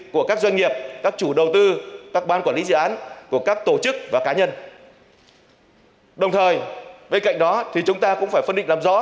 các tổ chức và cá nhân đồng thời bên cạnh đó thì chúng ta cũng phải phân định làm rõ